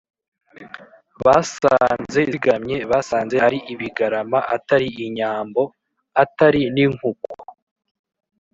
basanze zigaramye: basanze ari ibigarama; atari inyambo; atari n’inkuku;